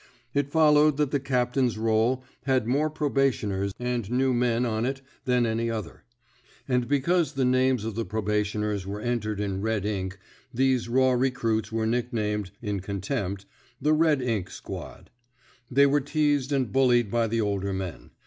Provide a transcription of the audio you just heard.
It followed 3 i THE SMOKE EATEES that the captain's roll had more probationers and new men on it than any other; and because the names of the probationers were entered in red ink, these raw recruits were nicknamed, in contempt, the red ink squad/' They were teased and bullied by the older men.